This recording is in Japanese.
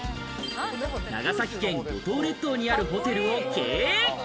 長崎県五島列島にあるホテルを経営。